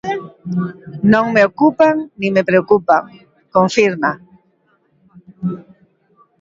Non me ocupan nin me preocupan, confirma.